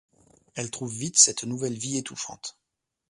Elle trouve vite cette nouvelle vie étouffante.